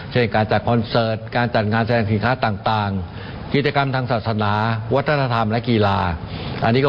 เช่นการจัดคอนเซิร์ตการจัดงานแสนของขี่ข้าต่าง